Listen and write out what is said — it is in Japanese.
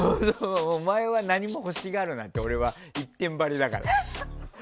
お前は何も欲しがるなって一点張りだから。